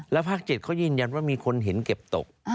ภาค๗เขายืนยันว่ามีคนเห็นเก็บตก